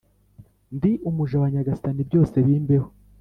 “ndi umuja wa nyagasani byose bimbeho